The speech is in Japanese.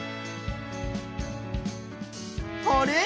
あれ？